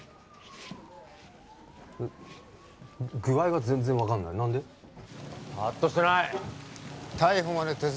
具合が全然分かんない何で？